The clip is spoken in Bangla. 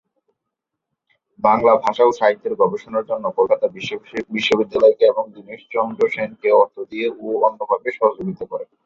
বাংলা ভাষা ও সাহিত্যের গবেষণার জন্য কলকাতা বিশ্ববিদ্যালয়কে এবং দীনেশচন্দ্র সেনকে অর্থ দিয়ে ও অন্যভাবে সহযোগিতা করেন।